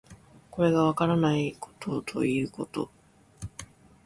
これがわからないことということ